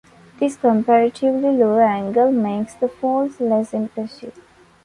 This comparatively low angle makes the falls less impressive.